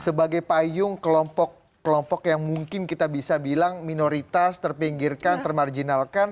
sebagai payung kelompok kelompok yang mungkin kita bisa bilang minoritas terpinggirkan termarjinalkan